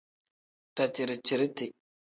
Daciri-ciriti.